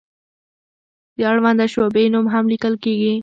د اړونده شعبې نوم هم لیکل کیږي.